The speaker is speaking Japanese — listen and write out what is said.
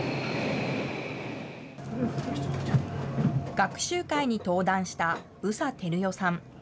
学習会に登壇した宇佐照代さん。